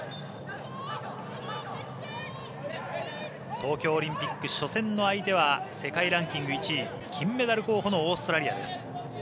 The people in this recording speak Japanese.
東京オリンピック初戦の相手は世界ランキング１位金メダル候補のオーストラリアです。